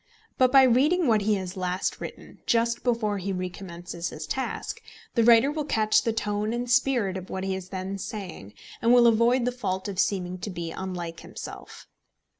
But by reading what he has last written, just before he recommences his task, the writer will catch the tone and spirit of what he is then saying, and will avoid the fault of seeming to be unlike himself.